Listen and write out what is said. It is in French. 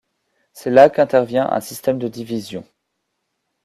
C'est là qu’intervient un système de division.